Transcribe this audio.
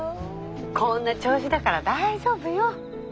こんな調子だから大丈夫よ。